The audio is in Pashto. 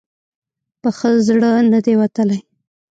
په ښه زړه نه دی وتلی.